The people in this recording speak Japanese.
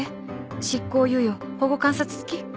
執行猶予保護観察付き？